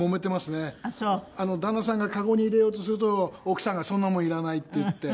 旦那さんがカゴに入れようとすると奥さんが「そんなもんいらない」って言って。